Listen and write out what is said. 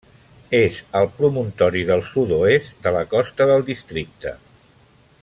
És el promontori del sud-oest de la costa del districte.